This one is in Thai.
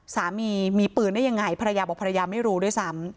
สามีมีปืนได้ยังไงภรรยาบอกภรรยาไม่รู้ด้วยซ้ำ